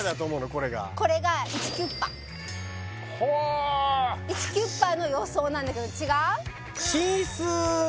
これがこれがイチキュッパはあイチキュッパの予想なんだけど違う？